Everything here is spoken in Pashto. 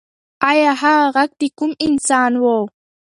ایا هغه غږ د کوم انسان و؟